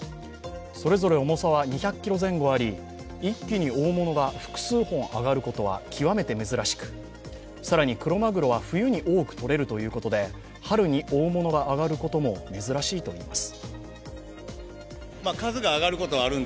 それぞれ重さは２００ｋｇ前後あり一気に大物が複数本揚がることは極めて珍しく、更にクロマグロは冬に多くとれるということで春に大物が揚がることも珍しいといいます。